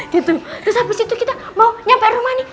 terus habis itu kita mau nyampe rumah nih